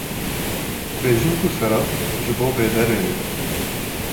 bêjing û serad ji bo bêderê ne